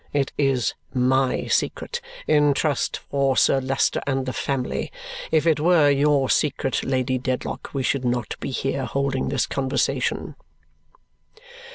It is my secret, in trust for Sir Leicester and the family. If it were your secret, Lady Dedlock, we should not be here holding this conversation."